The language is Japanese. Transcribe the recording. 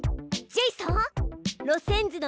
ジェイソン！